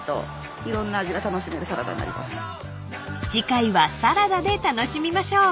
［次回はサラダで楽しみましょう］